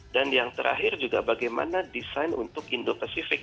dan yang terakhir juga bagaimana desain untuk indo pasifik